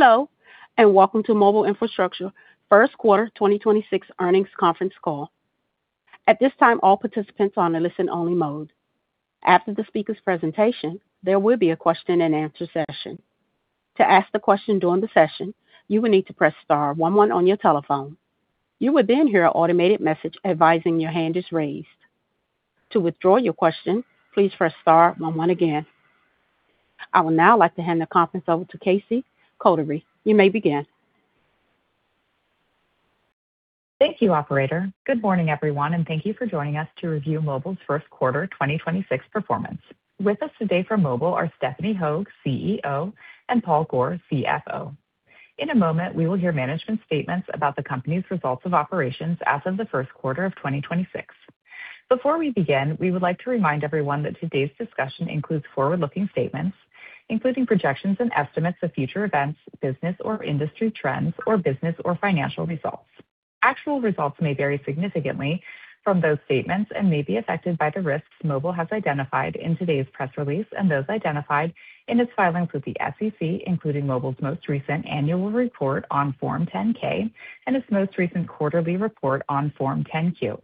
Hello, and welcome to Mobile Infrastructure first quarter 2026 earnings conference call. At this time, all participants are on a listen-only mode. After the speaker's presentation, there will be a question-and-answer session. I would now like to hand the conference over to Casey Cotterie. You may begin. Thank you, operator. Good morning, everyone, and thank you for joining us to review Mobile's first quarter 2026 performance. With us today from Mobile are Stephanie Hogue, CEO, and Paul Gohr, CFO. In a moment, we will hear management statements about the company's results of operations as of the first quarter of 2026. Before we begin, we would like to remind everyone that today's discussion includes forward-looking statements, including projections and estimates of future events, business or industry trends, or business or financial results. Actual results may vary significantly from those statements and may be affected by the risks Mobile has identified in today's press release and those identified in its filings with the SEC, including Mobile's most recent annual report on Form 10-K and its most recent quarterly report on Form 10-Q.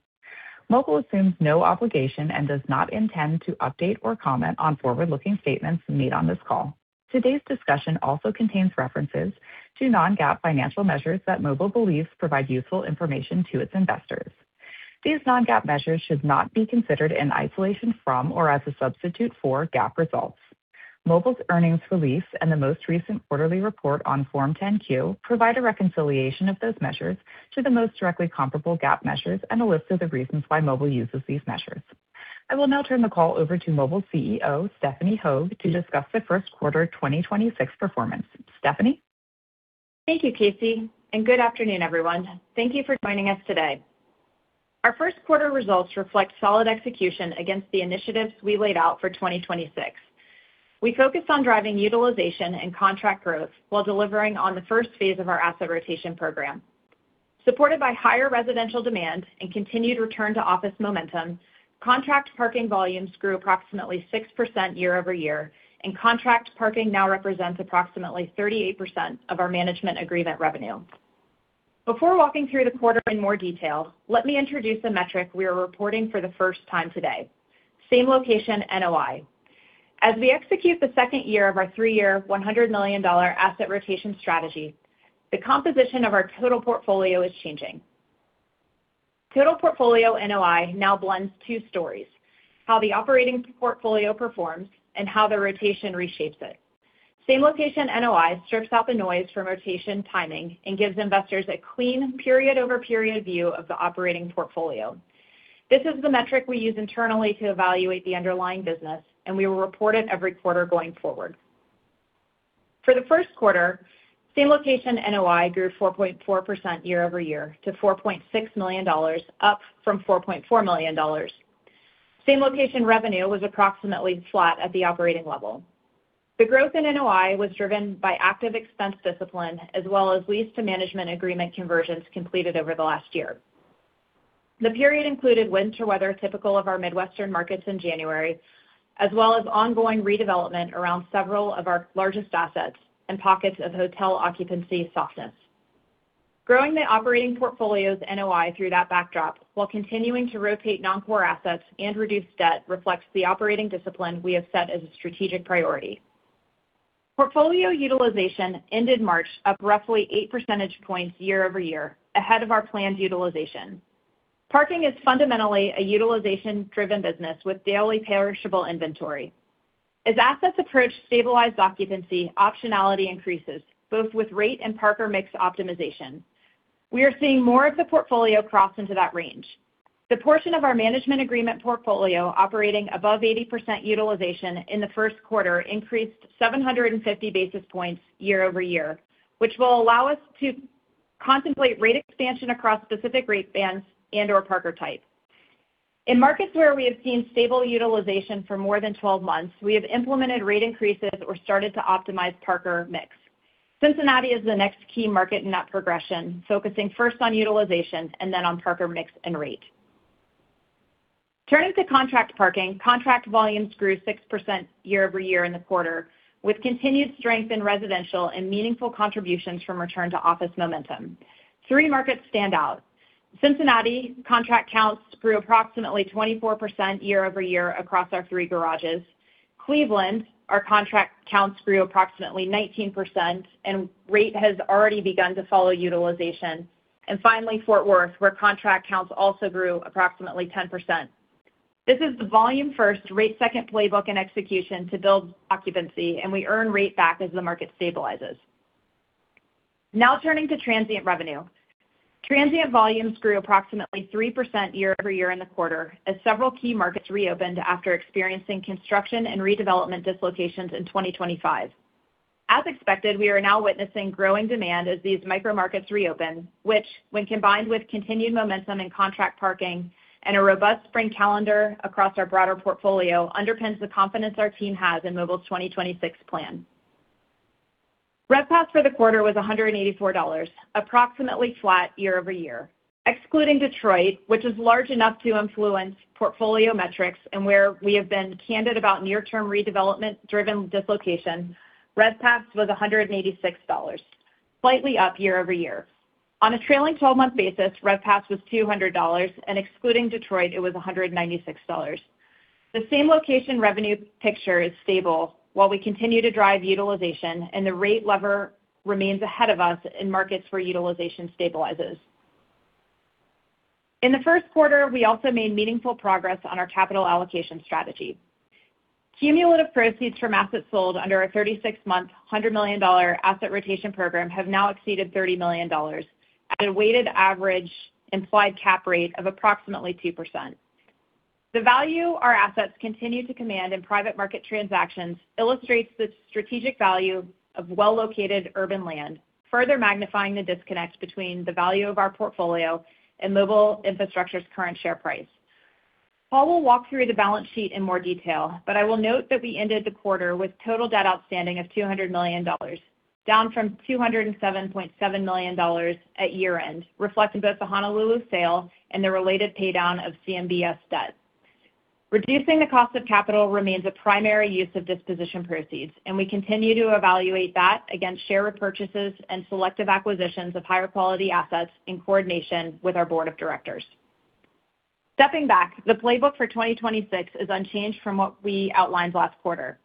Mobile assumes no obligation and does not intend to update or comment on forward-looking statements made on this call. Today's discussion also contains references to non-GAAP financial measures that Mobile believes provide useful information to its investors. These non-GAAP measures should not be considered in isolation from or as a substitute for GAAP results. Mobile's earnings release and the most recent quarterly report on Form 10-Q provide a reconciliation of those measures to the most directly comparable GAAP measures and a list of the reasons why Mobile uses these measures. I will now turn the call over to Mobile's CEO, Stephanie Hogue, to discuss the first quarter 2026 performance. Stephanie? Thank you, Casey, and good afternoon, everyone. Thank you for joining us today. Our first quarter results reflect solid execution against the initiatives we laid out for 2026. We focused on driving utilization and contract growth while delivering on the first phase of our asset rotation program. Supported by higher residential demand and continued return to office momentum, contract parking volumes grew approximately 6% year-over-year, and contract parking now represents approximately 38% of our management agreement revenue. Before walking through the quarter in more detail, let me introduce a metric we are reporting for the first time today: Same-Location NOI. As we execute the second year of our three-year, $100 million asset rotation strategy, the composition of our total portfolio is changing. Total portfolio NOI now blends two stories: how the operating portfolio performs and how the rotation reshapes it. Same-Location NOI strips out the noise from rotation timing and gives investors a clean period-over-period view of the operating portfolio. This is the metric we use internally to evaluate the underlying business, and we will report it every quarter going forward. For the first quarter, Same-Location NOI grew 4.4% year-over-year to $4.6 million, up from $4.4 million. Same-Location revenue was approximately flat at the operating level. The growth in NOI was driven by active expense discipline as well as lease to management agreement conversions completed over the last year. The period included winter weather typical of our Midwestern markets in January, as well as ongoing redevelopment around several of our largest assets and pockets of hotel occupancy softness. Growing the operating portfolio's NOI through that backdrop while continuing to rotate non-core assets and reduce debt reflects the operating discipline we have set as a strategic priority. Portfolio utilization ended March up roughly 8 percentage points year-over-year, ahead of our planned utilization. Parking is fundamentally a utilization-driven business with daily perishable inventory. As assets approach stabilized occupancy, optionality increases, both with rate and parker mix optimization. We are seeing more of the portfolio cross into that range. The portion of our management agreement portfolio operating above 80% utilization in the first quarter increased 750 basis points year-over-year, which will allow us to contemplate rate expansion across specific rate bands and/or parker types. In markets where we have seen stable utilization for more than 12 months, we have implemented rate increases or started to optimize parker mix. Cincinnati is the next key market in that progression, focusing first on utilization and then on parker mix and rate. Turning to contract parking, contract volumes grew 6% year-over-year in the quarter, with continued strength in residential and meaningful contributions from return to office momentum. Three markets stand out. Cincinnati contract counts grew approximately 24% year-over-year across our three garages. Cleveland, our contract counts grew approximately 19%, and rate has already begun to follow utilization. Finally, Fort Worth, where contract counts also grew approximately 10%. This is the volume first, rate second playbook in execution to build occupancy, and we earn rate back as the market stabilizes. Turning to transient revenue. Transient volumes grew approximately 3% year-over-year in the quarter as several key markets reopened after experiencing construction and redevelopment dislocations in 2025. As expected, we are now witnessing growing demand as these micro markets reopen, which when combined with continued momentum in contract parking and a robust spring calendar across our broader portfolio underpins the confidence our team has in Mobile's 2026 plan. RevPAS for the quarter was $184, approximately flat year-over-year. Excluding Detroit, which is large enough to influence portfolio metrics and where we have been candid about near-term redevelopment-driven dislocation, RevPAS was $186, slightly up year-over-year. On a trailing 12-month basis, RevPAS was $200, and excluding Detroit, it was $196. The Same-Location revenue picture is stable while we continue to drive utilization, and the rate lever remains ahead of us in markets where utilization stabilizes. In the first quarter, we also made meaningful progress on our capital allocation strategy. Cumulative proceeds from assets sold under a 36-month, $100 million asset rotation program have now exceeded $30 million at a weighted average implied cap rate of approximately 2%. The value our assets continue to command in private market transactions illustrates the strategic value of well-located urban land, further magnifying the disconnect between the value of our portfolio and Mobile Infrastructure's current share price. Paul will walk through the balance sheet in more detail, but I will note that we ended the quarter with total debt outstanding of $200 million, down from $207.7 million at year-end, reflecting both the Honolulu sale and the related paydown of CMBS debt. Reducing the cost of capital remains a primary use of disposition proceeds, and we continue to evaluate that against share repurchases and selective acquisitions of higher quality assets in coordination with our board of directors. Stepping back, the playbook for 2026 is unchanged from what we outlined last quarter.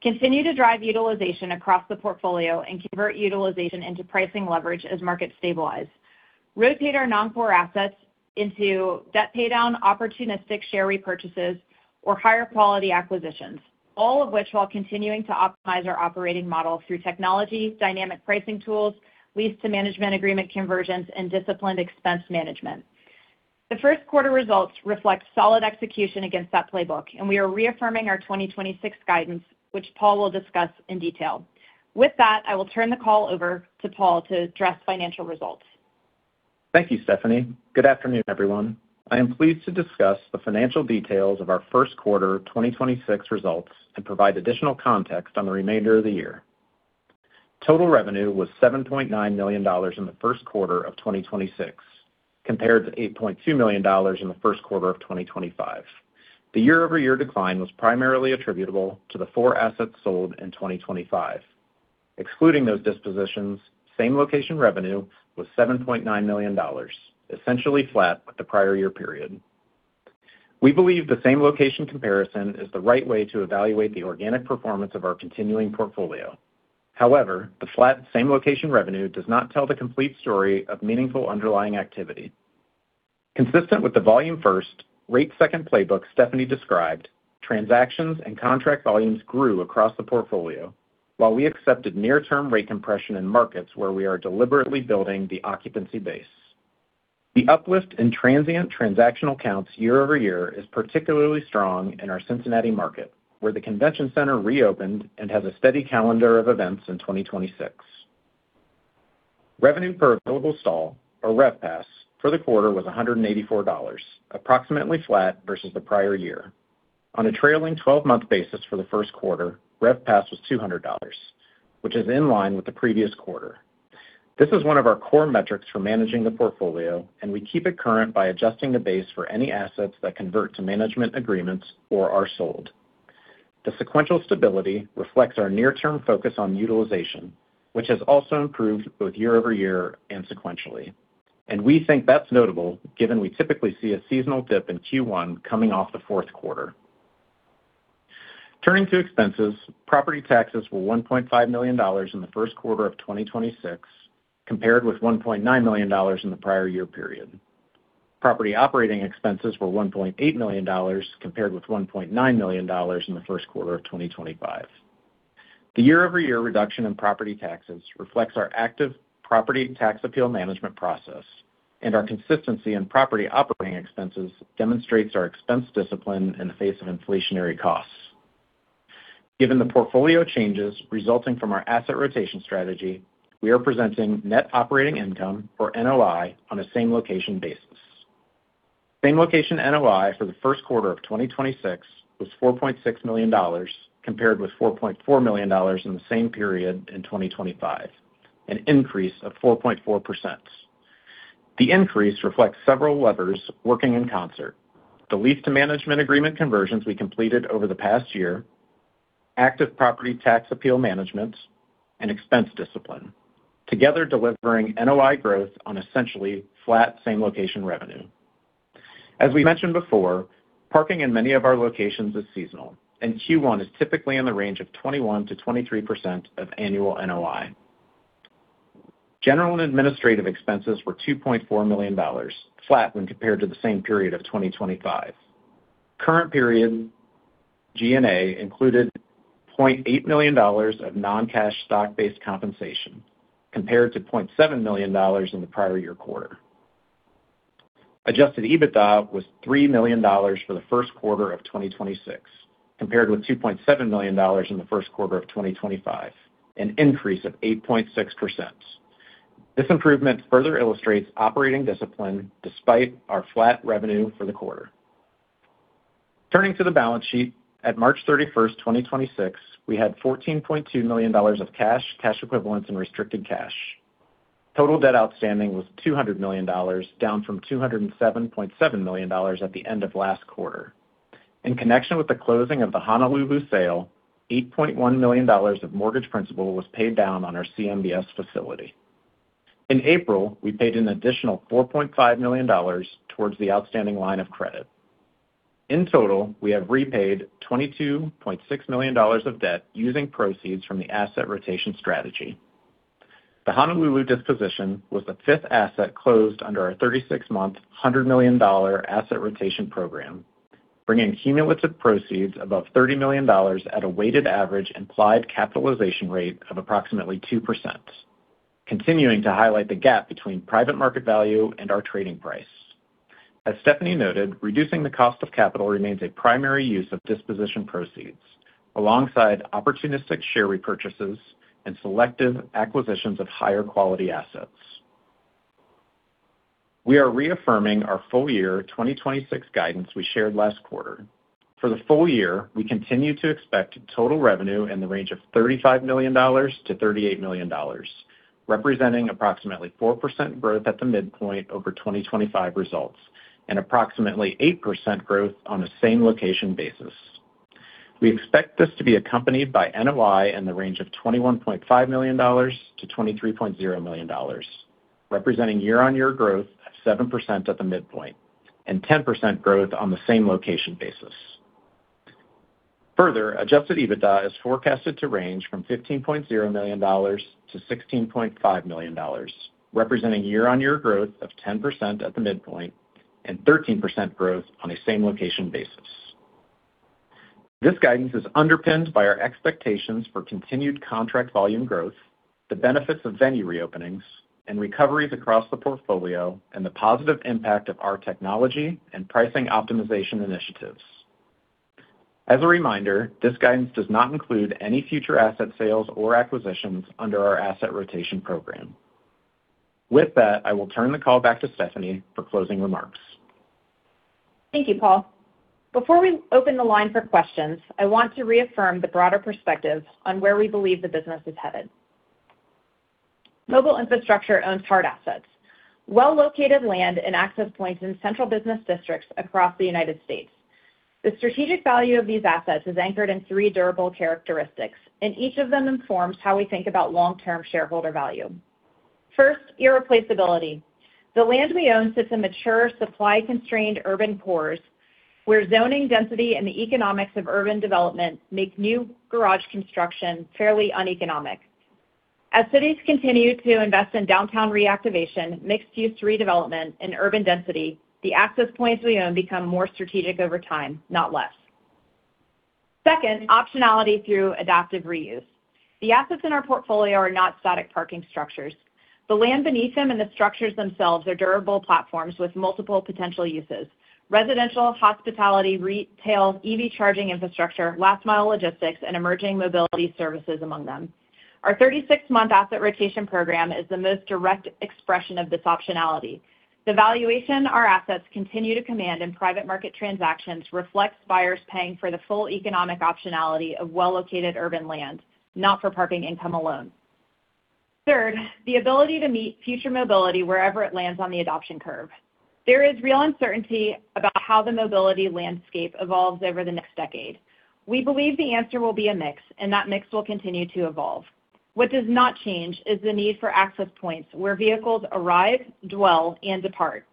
Continue to drive utilization across the portfolio and convert utilization into pricing leverage as markets stabilize. Rotate our non-core assets into debt paydown, opportunistic share repurchases, or higher quality acquisitions, all of which while continuing to optimize our operating model through technology, dynamic pricing tools, lease to management agreement conversions, and disciplined expense management. The first quarter results reflect solid execution against that playbook, and we are reaffirming our 2026 guidance, which Paul will discuss in detail. With that, I will turn the call over to Paul to address financial results. Thank you, Stephanie. Good afternoon, everyone. I am pleased to discuss the financial details of our first quarter 2026 results and provide additional context on the remainder of the year. Total revenue was $7.9 million in the first quarter of 2026 compared to $8.2 million in the first quarter of 2025. The year-over-year decline was primarily attributable to the four assets sold in 2025. Excluding those dispositions, Same-Location revenue was $7.9 million, essentially flat with the prior year period. We believe the same-location comparison is the right way to evaluate the organic performance of our continuing portfolio. However, the flat Same-Location revenue does not tell the complete story of meaningful underlying activity. Consistent with the volume first, rate second playbook Stephanie described, transactions and contract volumes grew across the portfolio while we accepted near-term rate compression in markets where we are deliberately building the occupancy base. The uplift in transient transactional counts year-over-year is particularly strong in our Cincinnati market, where the convention center reopened and has a steady calendar of events in 2026. Revenue per available stall, or RevPAS, for the quarter was $184, approximately flat versus the prior year. On a trailing 12-month basis for the first quarter, RevPAS was $200, which is in line with the previous quarter. This is one of our core metrics for managing the portfolio, and we keep it current by adjusting the base for any assets that convert to management agreements or are sold. The sequential stability reflects our near-term focus on utilization, which has also improved both year-over-year and sequentially. We think that's notable given we typically see a seasonal dip in Q1 coming off the fourth quarter. Turning to expenses, property taxes were $1.5 million in the first quarter of 2026 compared with $1.9 million in the prior year period. Property operating expenses were $1.8 million compared with $1.9 million in the first quarter of 2025. The year-over-year reduction in property taxes reflects our active property tax appeal management process, and our consistency in property operating expenses demonstrates our expense discipline in the face of inflationary costs. Given the portfolio changes resulting from our asset rotation strategy, we are presenting net operating income, or NOI, on a same-location basis. Same-Location NOI for the first quarter of 2026 was $4.6 million compared with $4.4 million in the same period in 2025, an increase of 4.4%. The increase reflects several levers working in concert. The lease to management agreement conversions we completed over the past year, active property tax appeal management, and expense discipline, together delivering NOI growth on essentially flat Same-Location revenue. As we mentioned before, parking in many of our locations is seasonal, and Q1 is typically in the range of 21%-23% of annual NOI. General and administrative expenses were $2.4 million, flat when compared to the same period of 2025. Current period G&A included $0.8 million of non-cash stock-based compensation compared to $0.7 million in the prior year quarter. Adjusted EBITDA was $3 million for the first quarter of 2026 compared with $2.7 million in the first quarter of 2025, an increase of 8.6%. This improvement further illustrates operating discipline despite our flat revenue for the quarter. Turning to the balance sheet, at March 31st, 2026, we had $14.2 million of cash equivalents, and restricted cash. Total debt outstanding was $200 million, down from $207.7 million at the end of last quarter. In connection with the closing of the Honolulu sale, $8.1 million of mortgage principal was paid down on our CMBS facility. In April, we paid an additional $4.5 million towards the outstanding line of credit. In total, we have repaid $22.6 million of debt using proceeds from the asset rotation strategy. The Honolulu disposition was the fifth asset closed under our 36-month, $100 million asset rotation program, bringing cumulative proceeds above $30 million at a weighted average implied cap rate of approximately 2%, continuing to highlight the gap between private market value and our trading price. As Stephanie noted, reducing the cost of capital remains a primary use of disposition proceeds, alongside opportunistic share repurchases and selective acquisitions of higher quality assets. We are reaffirming our full year 2026 guidance we shared last quarter. For the full year, we continue to expect total revenue in the range of $35 million-$38 million, representing approximately 4% growth at the midpoint over 2025 results, and approximately 8% growth on a same location basis. We expect this to be accompanied by NOI in the range of $21.5 million-$23.0 million, representing year-on-year growth at 7% at the midpoint and 10% growth on the Same-Location basis. Further, Adjusted EBITDA is forecasted to range from $15.0 million-$16.5 million, representing year-on-year growth of 10% at the midpoint and 13% growth on a Same-Location basis. This guidance is underpinned by our expectations for continued contract volume growth, the benefits of venue reopenings and recoveries across the portfolio, and the positive impact of our technology and pricing optimization initiatives. As a reminder, this guidance does not include any future asset sales or acquisitions under our asset rotation program. With that, I will turn the call back to Stephanie for closing remarks. Thank you, Paul. Before we open the line for questions, I want to reaffirm the broader perspective on where we believe the business is headed. Mobile Infrastructure owns hard assets, well-located land and access points in central business districts across the United States. The strategic value of these assets is anchored in three durable characteristics, and each of them informs how we think about long-term shareholder value. First, irreplaceability. The land we own sits in mature, supply constrained urban cores, where zoning density and the economics of urban development make new garage construction fairly uneconomic. As cities continue to invest in downtown reactivation, mixed use redevelopment and urban density, the access points we own become more strategic over time, not less. Second, optionality through adaptive reuse. The assets in our portfolio are not static parking structures. The land beneath them and the structures themselves are durable platforms with multiple potential uses. Residential, hospitality, retail, EV charging infrastructure, last mile logistics and emerging mobility services among them. Our 36-month asset rotation program is the most direct expression of this optionality. The valuation our assets continue to command in private market transactions reflects buyers paying for the full economic optionality of well-located urban land, not for parking income alone. Third, the ability to meet future mobility wherever it lands on the adoption curve. There is real uncertainty about how the mobility landscape evolves over the next decade. We believe the answer will be a mix, and that mix will continue to evolve. What does not change is the need for access points where vehicles arrive, dwell and depart.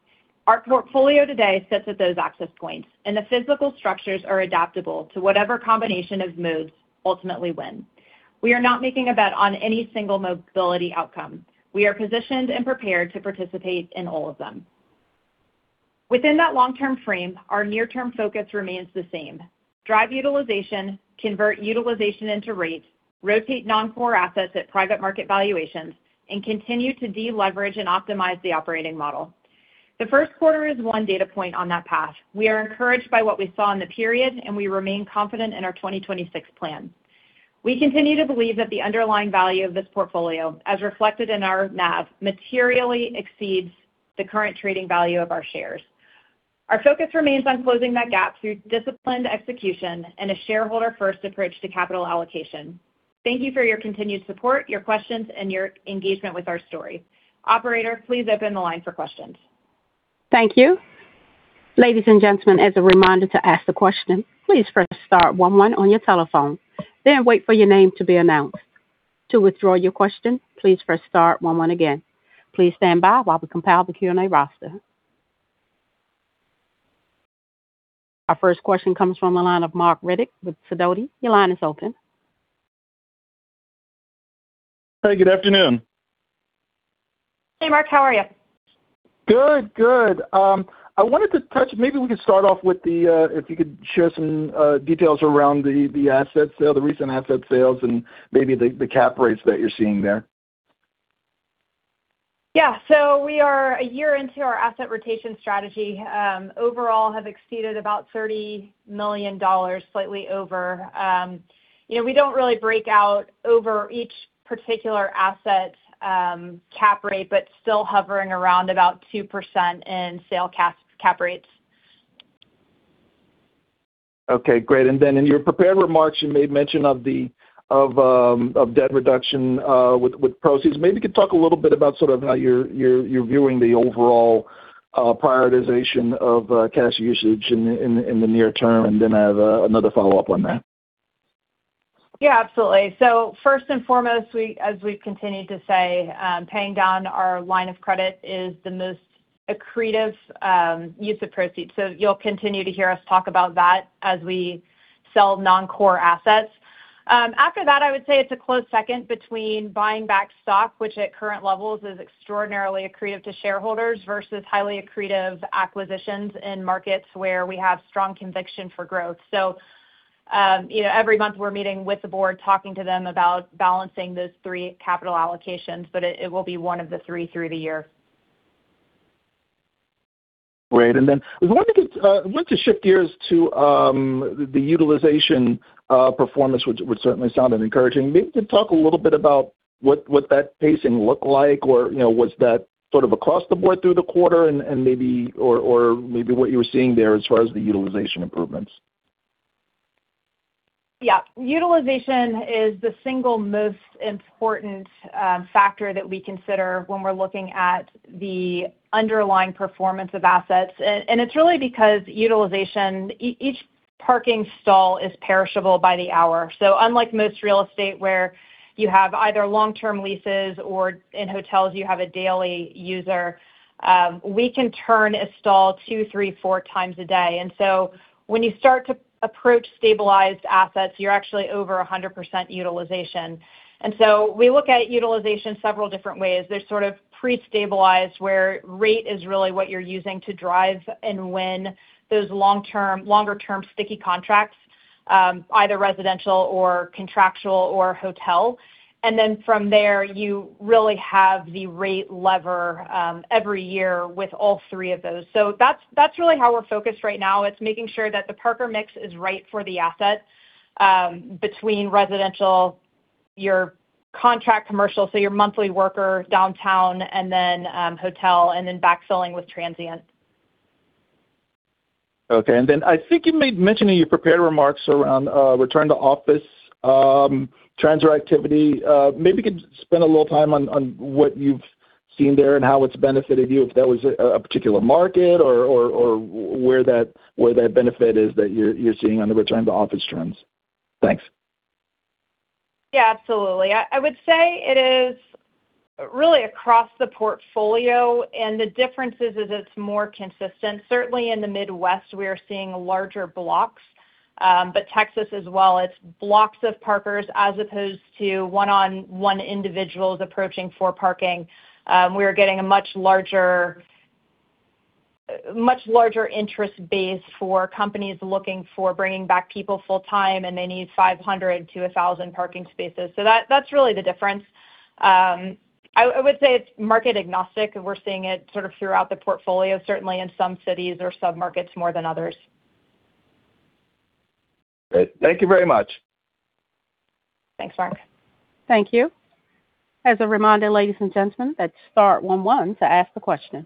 Our portfolio today sits at those access points. The physical structures are adaptable to whatever combination of modes ultimately win. We are not making a bet on any single mobility outcome. We are positioned and prepared to participate in all of them. Within that long term frame, our near term focus remains the same. Drive utilization, convert utilization into rates, rotate non-core assets at private market valuations, and continue to deleverage and optimize the operating model. The first quarter is one data point on that path. We are encouraged by what we saw in the period. We remain confident in our 2026 plan. We continue to believe that the underlying value of this portfolio, as reflected in our NAV, materially exceeds the current trading value of our shares. Our focus remains on closing that gap through disciplined execution and a shareholder first approach to capital allocation. Thank you for your continued support, your questions and your engagement with our story. Operator, please open the line for questions. Thank you. Ladies and gentlemen, as a reminder to ask the question, please press star one one on your telephone, then wait for your name to be announced. To withdraw your question, please press star one one again. Please stand by while we compile the Q&A roster. Our first question comes from the line of Marc Riddick with Sidoti. Your line is open. Hey, good afternoon. Hey, Marc. How are you? Good, good. Maybe we could start off with the, if you could share some details around the asset sale, the recent asset sales and maybe the cap rates that you're seeing there? Yeah. We are a year into our asset rotation strategy. Overall have exceeded about $30 million, slightly over. You know, we don't really break out over each particular asset cap rate, but still hovering around about 2% in sales cap rates. Okay, great. In your prepared remarks, you made mention of debt reduction with proceeds. Maybe you could talk a little bit about sort of how you're viewing the overall prioritization of cash usage in the near term. I have another follow-up on that. Yeah, absolutely. First and foremost, we, as we've continued to say, paying down our line of credit is the most accretive use of proceeds. You'll continue to hear us talk about that as we sell non-core assets. After that, I would say it's a close second between buying back stock, which at current levels is extraordinarily accretive to shareholders versus highly accretive acquisitions in markets where we have strong conviction for growth. You know, every month we're meeting with the board, talking to them about balancing those three capital allocations, but it will be one of the three through the year. Great. I want to shift gears to the utilization performance, which certainly sounded encouraging. Maybe you could talk a little bit about what that pacing looked like or, you know, was that sort of across the board through the quarter and maybe what you were seeing there as far as the utilization improvements. Yeah. Utilization is the single most important factor that we consider when we're looking at the underlying performance of assets. It's really because utilization each parking stall is perishable by the hour. Unlike most real estate where you have either long-term leases or in hotels you have a daily user, we can turn a stall two, three, four times a day. When you start to approach stabilized assets, you're actually over 100% utilization. We look at utilization several different ways. There's sort of pre-stabilized, where rate is really what you're using to drive and win those long-term, longer term sticky contracts, either residential or contractual or hotel. From there, you really have the rate lever every year with all three of those. That's really how we're focused right now. It's making sure that the parker mix is right for the asset, between residential, your contract commercial, so your monthly worker downtown and then, hotel and then backfilling with transient. Okay. I think you made mention in your prepared remarks around return to office trends or activity. Maybe you could spend a little time on what you've seen there and how it's benefited you, if that was a particular market or where that benefit is that you're seeing on the return to office trends. Thanks. Yeah, absolutely. I would say it is really across the portfolio. The difference is it's more consistent. Certainly in the Midwest, we are seeing larger blocks. Texas as well. It's blocks of parkers as opposed to one on one individuals approaching for parking. We are getting a much larger interest base for companies looking for bringing back people full-time. They need 500 to 1,000 parking spaces. That's really the difference. I would say it's market agnostic. We're seeing it sort of throughout the portfolio, certainly in some cities or submarkets more than others. Great. Thank you very much. Thanks, Marc. Thank you. As a reminder, ladies and gentlemen, that's star one one to ask a question.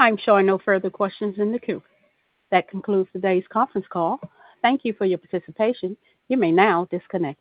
I'm showing no further questions in the queue. That concludes today's conference call. Thank you for your participation. You may now disconnect.